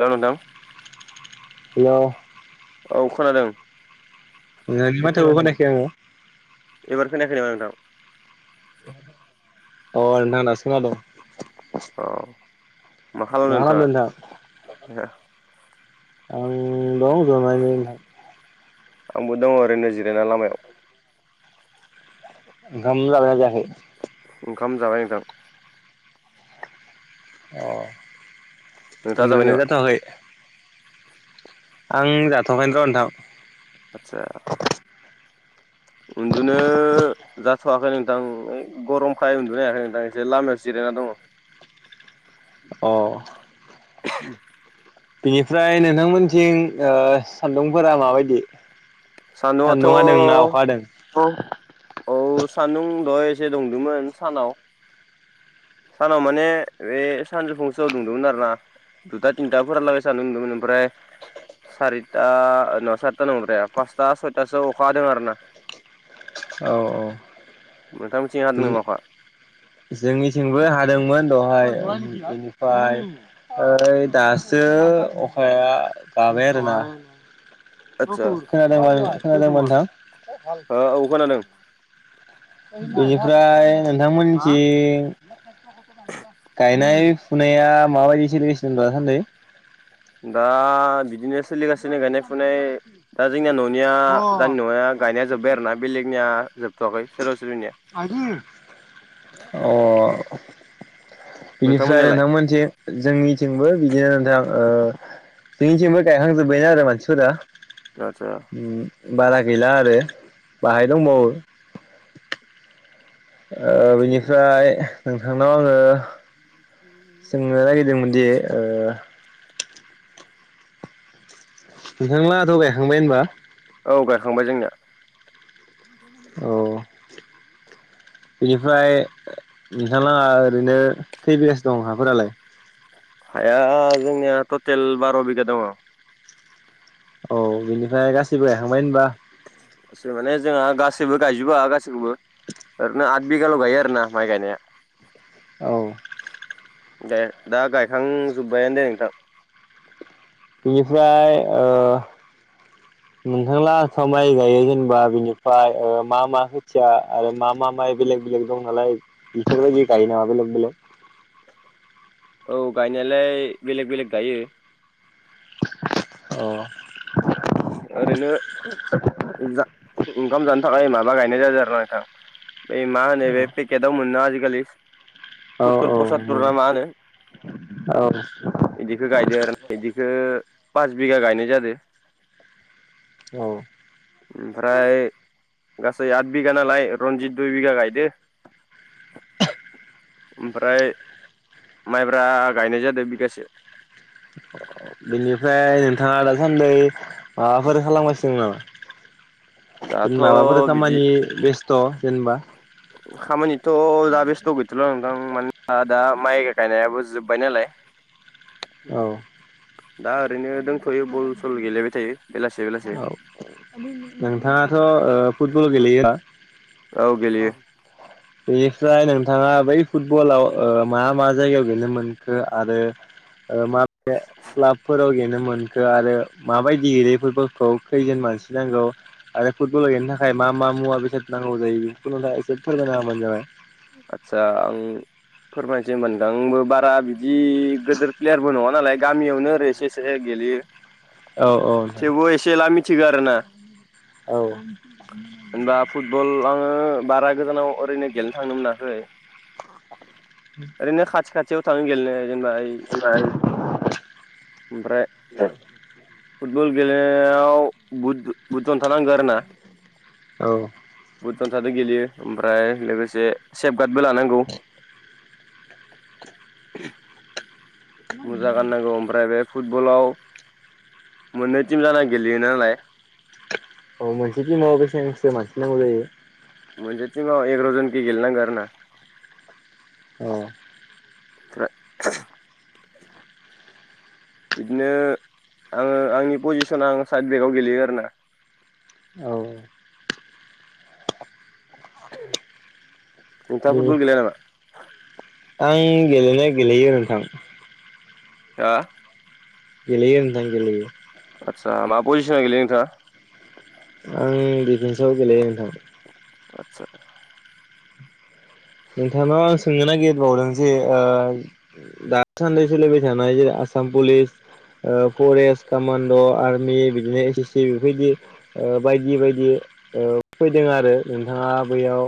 दों नोंथां हेलौ औ खोनादों। नोंनि माथोखौ खोनायाखै आङो। एबार खोनायाखैना मा नोंथां अ नोंथां दासो खोनादों। अ मा खालामदों नोंथाङा। आया आं दं जनानै नोंथां आंबो दङ ओरैनो जिरयना लामायाव ओंखाम जाबाय ना जायाखै। ओंखाम जाबाय नोंथां। अ नोंथाङा जाबाय उन्दुनाय नामा जाथवाखै आं जाथ'बायनथ' ओन्थां। आतसा। उन्दुनो जाथवाखै नोंथां गरमखाय उन्दुनो हाखै नोंथां एसे लामायाव जिरायना दङ [inaudible] अ [unintelligible] बिनिफ्राय नोंथांमोनथिं ओ सान्दुंफोरा माबायदि। सान्दुंआथ' सान्दुं हादों ना अखा हादों औ सान्दुं दहाय एसे दुंदोंमोन सानाव। सानाव माने बे सानजौ फुंसमावआव दुंदोंमोन आरोना दुथा तिन्था फोरहालागे सान्दुं दुगो ओमफ्राय। सारिथा नङा सारिथा नंद्राया पासथा सयथासोआव अखा हादों आरो ना। [inaudible] औ नोंथांमोनथिं हादों नामा अखा। जोंनिथिंबो हादोंमोन दहाय बेनिफ्राय ओइ दासो अखाया गाबाय आरो ना [inaudible] आदसा खोनादोंबा खोनादोंबा नोंथां ओ औ खोनादों बिनिफ्राय नोंथां मोननिथिं गायनाय फुनाया माबायदि सोलिगसिनो दासान्दै दा बिदिनो। सोलिगासिनो गायनाय फुनाय दा जोंनिया न'निया जानि न'निया गायनाया जोब्बाय आरोना बेलेगनिया जोबथ'वाखै सोरबा सोरबिनिया। [unintelligible] [inaudible] अ बिनिफ्राय नोंथांमोननियालाय नोंथांमोनथि जोंनिथिंबो बिदिनो नोंथां ओ जोंनिथिंबो गायखांजोब्बायानो आरो मानसिफोरा। गाजा। उम बारा गैला आरो बाहाय दंबावो। ओ थिगानो बिनिफ्राय नोंथांनाव आंङो सोंनो नागिरदोंमोनदि ओ नोंथांलाहा थ' गायखांबाय होनबा। औ गायखांबाय जोंनिया। औ [inaudible] बेनिफ्राय। नोंथां लोंहालाय ओरैनो खै बिगासो दं हाफोरालाय। हाया जोंनिया टटेल बार' बिगा दङ। औ बिनिफ्राय गासिबो गायखांबाय होनबा। सोर माने जोंहा गासैबो गायजोबा गासैखौबो। ओरैनो आद बिगाल' गायो आरोना माइ गायनाया। औ दा गायखांजोब्बायानो दे नोंथां, बेनिफ्राय ओ [inaudible] नोंथांलोंहा [unintelligible] माइ गायो जेनेबा बिनिफ्राय मा मा खोथिया आरो मा मा माइ बेलेग। बेलेग दं नालाय बिफोर बायदि गायो नामा? बेलेग बेलेग [inaudible] औ गायनायालाय बेलेग बेलेग गायो। औ। ओरैनो जा ओंखाम जानो। ओइ माबा गायनाय जादों आरोना नोंथां बे मा होनो बे पेकेटाव मोनोना आजि खालि। औ पुतुर पसातुर ना मा होनो। औ इदिखो गायदो आरो ना इदिखो पास बिगा गायनाय जादो, औ ओमफ्राय गासै आद बिघा नालाय रनजित दुइ बिघा गायदो। ओमफ्राय माइब्रा गायनाय जादो बिगासे। बेनिफ्राय नोंथाङा दासान्दै माबाफोर खालामगासिनो नामा? दाथ' माबाफोर बिदि खामानि बेस्थ जेनेबा, खामानिथ' दा बेस्थ' गैथला आं। ओं मानोना दा माइ गायनायाबो जोब्बाय नालाय। औ, दा ओरैनो दोंथ'यो बल सल गेलेबाय थायो बेलासे बेलासे औ नोंथाङाथ' ओ फुटबल गेलेयो, औ गेलेयो ओमफ्राय नोंथांङा बै फुटबलाव मा मा जायगायाव गेलेनो मोनखो आरो ओ माबे क्लाबफोराव गेनो मोनखो आरो माबायदि गेयो फुटबलखौ खैजोन मानसि नांगौ आरो फुटबलाव गेलेनो थाखाय मा? मा मा मुवा बेसाद नांगौ जायो जिखुनुजा एसे फोरमायना होबानो जाबाय। आदसा आं फोरमायनोसै होनबा आंबो बारा बिदि गिदिर प्लेयारबो नङा नालाय गामियावनो ओरै एसे एसे गेलेयो, औ औ। थिगारोना। औ। फुटबल आङो बारा गोजानाव ओरैनो गेलेनो थांनो मोनाखै। ओरैनो खाथि खाथियाव थांङो गेलेनो, दोनबाय ओमफ्राय। फुटबल गेलेनायाव बुद‌ बुद‌ जनथा नांगौ आरो ना। औ। बुट जन्थादो गेलेयो ओमफ्राय लोगोसे सेफगार्डबो लानांगौ। [unintelligible] मुजा गाननांगौ ओमफ्राय बे फुटबलाव मोननै टिम जाना गेलेयो नालाय। औ मोनसे टिमा बेसेनसो मानसि नांगौजायो। मोनसे टिमाव एग्रा जन खि गेल नांगौ आरोना? औ। [unintelligible] बिदिनो आङो आंनि पजिसन आं साइदबेकआव गेलेयो आरोना। औ। ओन्थांआ फुटबल गेलया नामा। आं गेलेनाय गेलेयो होनोंथां ओ गेलेयो नोंथां गेलेयो आतसा मा पजिसना गेले नोंथाङा आं डिफेन्सआव गेलेनो थां आतसा नोंथांनाव आं सोंनो नागिरबावदों जे ओ दासान्दि सोलिबाय थानाय जे आसाम पुलिस ओ फरेस्ट कामान्ड' आर्मि बिदिनो एस एस सि बेफोरबायदि बायदि बायदि ओ फैदों आरो नोंथाङा बैयाव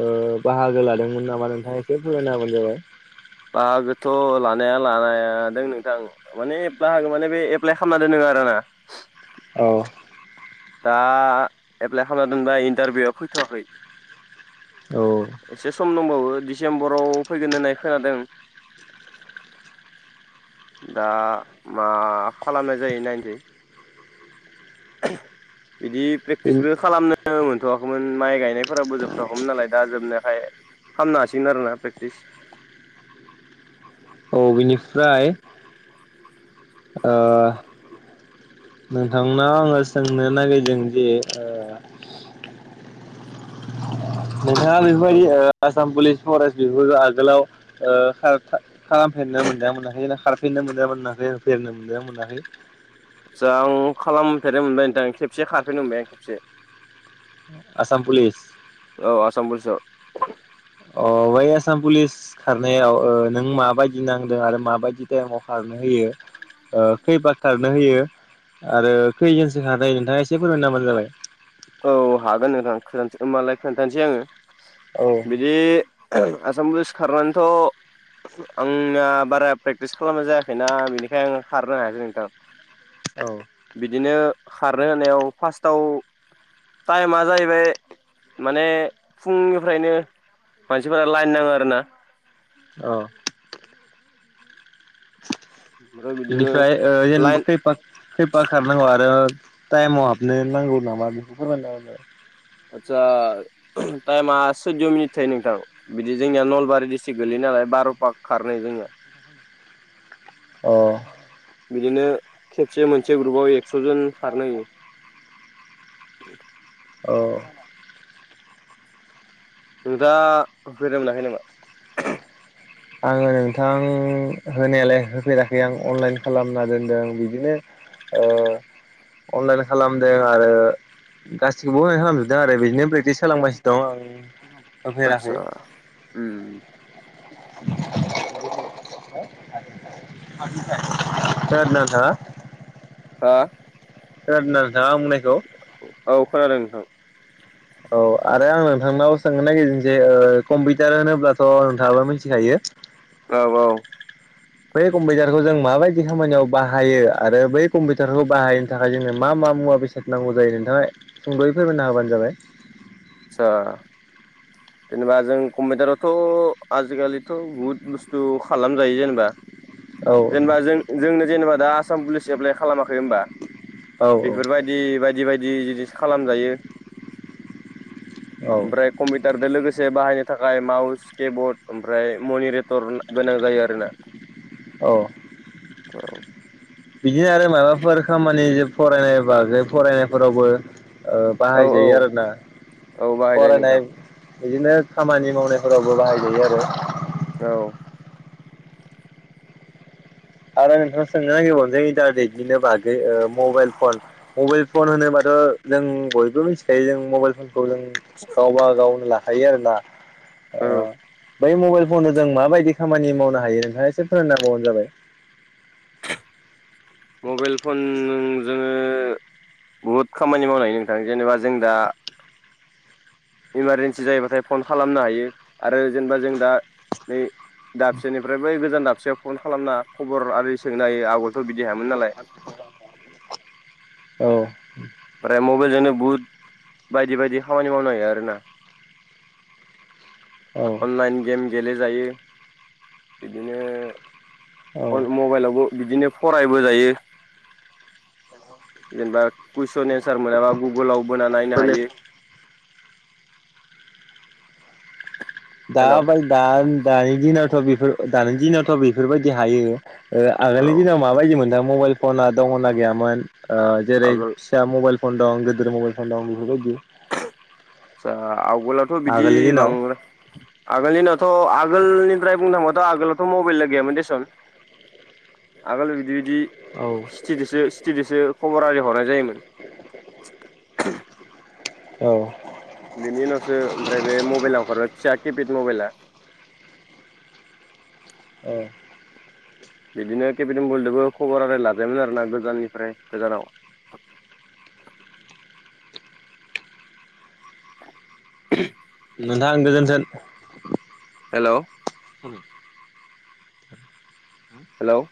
ओ बाहागो लोगो लादोंमोन नामा नोंथाङा एसे फोरायना होबानो जाबाय बाहागोथ लानाया लानायादों नोंथां माने बाहागो माने बे एप्लाइ खालामना दोनदों बारनाा [unintelligible] औ दा एप्लाइ खालामना दोनबाय इन्टारभिउआ फैथ'वाखै एसे सम दंबावो दिडिसेम्बराव फैगोन होननाय खोनादों दा मा खालामनाय जायो नायनोसै बिदि प्रेक्टिसबो खालामनो मोनथ'वाखैमोन माइ गायनायफोराबो जोबथा हमोन नालाय दा जोबनायखाय खालामनो हासिगोन आरोना प्रेकटिस लांदां औ बिनिफ्राय ओ नोंथांनाव आङो सोंनो नागिरदों जे ओ नोंथांआ औ बेफोरबायदिओ आसाम पुलिस फरेस्ट बेफोरखौ आगोलाव ओ खालामफेरनो मोनदोंना मोनाखै ना खारफेरनो मोनजा मोनाखै फेरनो मोनदोंना मोनाखै आदसा आं खालामफेरनो मोनबाय नोंथां खेबसे खारफेरनो मोनबाय आं खेबसे आसाम पुलिस औ आसाम फुलिसाव अ वाय आसाम पुलिस खारनायाव नों माबायदि नांदों आरो माबायदि टाइमाव खारनो होयो ओ खैबार खारनो होयो आरो खैजोनसोखथायायो नोंथाङा एसे फोरमायना होबानो जाबाय औ हागोन नोंथां खोनथानोसै होमबालाय खोन्थानोसै आङो औ बिदि आसाम पुलिस खारनानैथ' आंना बारा प्रेक्टिस खालामनाय जायाखैना बेनिखाय आं खारनो हायासै नोंथां औ बिदिनो खारनो होनायाव फार्स्टआव टाइमा जाहैबाय माने फुंनिफ्रायनो मानसिफोरा लाइन नाङो आरो ना? औ ओमफ्राय बिदिनो बिनिफ्राय ओ जेनब लाइन खैफार खारनांगौ आरो टाइमाव हाबनो नांगौ नामा बेखौ फोरमायनांगौ आरो। आदचसा टाइमा सैद मिनिट थायो नोंथां बिदि जोंनिया नलबारि डिस्ट्रिक्ट गोलैयो नालाय बार'फा खारनाय जाङो औ बिदिनो खेबसे मोनसे ग्रुपाव एक्सजन खारनो होयो मंा स औ न [inaudible] नोथाङा बेरायनो मोनाखै नामा आङो नोंथां होनायालाय होफेरेराखै आं अनलाइन खालामना दोनदों बिदिनो ओ अनलाइन खालामदों आरो गासिखौबो होनो खालामजोबदों आरो बिदिनो प्रेकटिस खालामगासिनो दं आं नुफेराखै आतसा ओम सोर न हा [unintelligible] हा सोर नों औ खोनादों नोंथां औ आरो आं नोंथांनाव सोंनो नागिरदोंसै ओ कम्पिउटार होनोब्लाथ' नोंथाङाबो मिथिखायो औ औ बै कम्पिउटारखौ जों माबायदि खामानियाव बाहायो आरो बै कम्पिउटारखौ बाहायनो थाखाय जोङो मा मा मुवा बेसाद नांगौ जायो नोंथाङा सुंदयै फोरमायना होबानो जाबाय सा जेनेबा जों कम्पिउटारावथ' आजिखालिथ' बुहुद बुस्थु खालामजायो जेनेबा औ जेनेबा जों जोंनो जेनेबा दा आसाम पुलिस एप्लाइ खालामाखै होनोमबा औ बेफोरबायदि बायदि बायदि जिनिस खालामजायो औ ओमफ्राय कमि टार लोगोसे बाहायनो थाखाय माउस किबर्ड ओमफ्राय मनिरेटर गोनां जायो आरोना औ बिदिनो आरो माबाफोर खामानि जे फरायनाय बागै फरायनायफोरावबो ओ औ औ बाहायजायो आरोना औ बाहायजायो फरायनाय नोंथां बिदिनो खामानि मावनायफोरावबो बाहायजायो आरो औ आरो नोंथाङा सोंनो नागिरबावनो जों इन्टारनेटनिनो बागै ओ मबाइल फन मबाइल फन होनोबा जों बयबो मिथिखायो जों मबाइल फ बेखौ जों गावबा गावनो लाखायो आरोना औ ओ बै मबाइल फननो जों माबायदि खामानि मावनो हायो नोंथाङा एसे फोरोंना होबानो जाबाय मबाइल फन जोङो बुहुद खामानि मावनाय नोंथां जेनेबा जों दा इमारजेन्सि जायोबाथाय फन खालामनो हायो आरो जेनेबा जों दा नै दाबसेनिफ्राय बै गोजान दाबसेयाव फन खालामना खबर आरि सोंनो हायो आगोलथ' बिदि हायामोन नालाय आ [inaudible] [inaudible] औ ओमफ्राय मबाइलजोंनो बुट बायदि बायदि खामानि मावनो हायो आरोना। औ अनलाइन गेम गेलेजायो औ बिदिनो। मबाइलावबो बिदिनो फरायबो जायो जेनेबा कुइसन एन्सार मोनाबा गुगोलाव बोना नायनो हायो [inaudible] दा हेल' औ दानि दिनावथ बेफोर दानि दिनावथ बेफोरबायदि हायो ओ आगोलनि दिनाव माबायदि मोन मबाइल फना दङना गैयामोन ओ जेरै आगोल फिसा मबाइल फन दं गोदोर मबाइल फन दं बेफोर बादि आसा आवगोलथ' बिदि आगोलनि दिनाव बांद्राय आगोलनि न थ' आगोलनिफ्राय बुंनो थाङोबाथ' आगोलावथ' मबाइलला गैयामोन देसुन आगोल बिदि बिदि औ सिथिदसो सिथिदोसो खबर आरि हरनाय जायोमोन औ बेनि उनावसो ओमफ्राय बे मबाइलाव [unintelligible] फिसा किपेड मबाइला औ बिदिनो केपिटबलदबो खबर आरो लाजायोमोन आरोना गोजाननिफ्राय गोजानाव [unintelligible] [unintelligible] नोंथां गोजोनथोन। हेल'। हेलौ